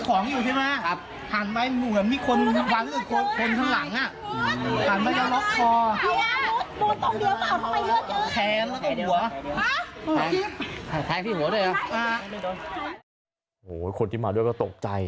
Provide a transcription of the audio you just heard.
โอ้โหคนที่มาด้วยก็ตกใจ